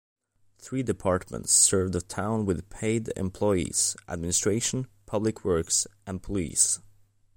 Three departments serve the town with paid employees: Administration, Public Works, and Police.